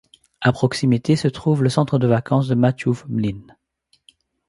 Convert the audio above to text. À proximité, se trouve le centre de vacances de Machův Mlyn.